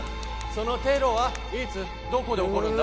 そのテロはいつどこで起こるんだ？